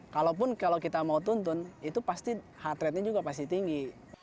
kalaupun kalau kita mau tuntun itu pasti heart ratenya juga pasti tinggi